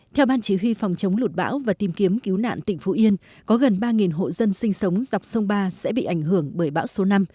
theo ban chỉ huy phòng chống lụt bão và tìm kiếm cứu nạn tỉnh phú yên có gần ba hộ dân sinh sống dọc sông ba sẽ bị ảnh hưởng bởi bão số năm